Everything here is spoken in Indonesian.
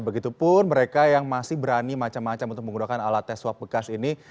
begitupun mereka yang masih berani macam macam untuk menggunakan alat tes swab bekas ini